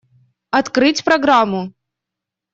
Открыть программу.